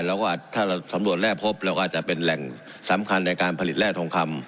ถ้าเราสำรวจแร่พบเราก็อาจจะเป็นแหล่งสำคัญในการผลิตแร่ทองคำ